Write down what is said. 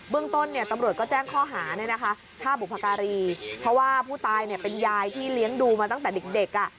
ต้นเนี่ยตำรวจก็แจ้งข้อหาฆ่าบุพการีเพราะว่าผู้ตายเนี่ยเป็นยายที่เลี้ยงดูมาตั้งแต่เด็ก